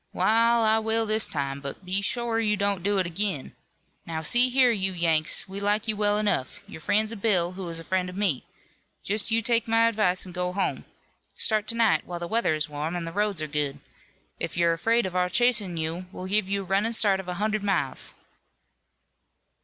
"Wa'al, I will this time, but be shore you don't do it ag'in. Now, see here, you Yanks: we like you well enough. You're friends of Bill, who is a friend of me. Just you take my advice an' go home. Start to night while the weather is warm, an' the roads are good. If you're afraid of our chasin' you we'll give you a runnin' start of a hunderd miles."